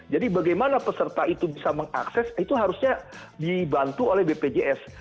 jadi bagaimana peserta itu bisa mengakses itu harusnya dibantu oleh bpjs